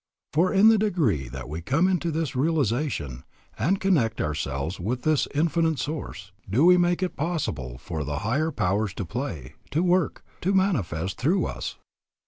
For in the degree that we come into this realization and connect ourselves with this Infinite Source, do we make it possible for the higher powers to play, to work, to manifest through us.